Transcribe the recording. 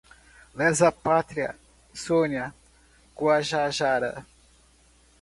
Lesa-pátria, Sônia Guajajara